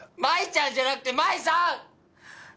真衣ちゃんじゃなくて真衣さん！